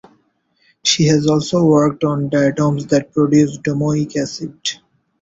She has also worked on diatoms that produce domoic acid.